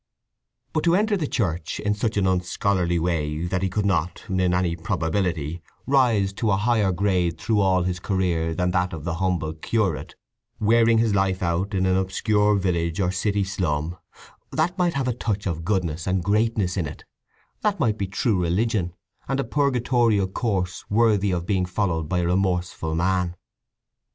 But to enter the Church in such an unscholarly way that he could not in any probability rise to a higher grade through all his career than that of the humble curate wearing his life out in an obscure village or city slum—that might have a touch of goodness and greatness in it; that might be true religion, and a purgatorial course worthy of being followed by a remorseful man.